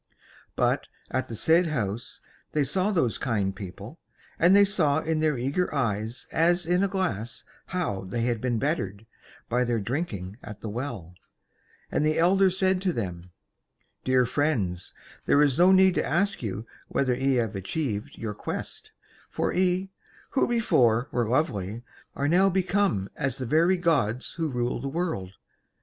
But at the said House they saw those kind people, and they saw in their eager eyes as in a glass how they had been bettered by their drinking of the Well, and the Elder said to them: "Dear friends, there is no need to ask you whether ye have achieved your quest; for ye, who before were lovely, are now become as the very Gods who rule the world.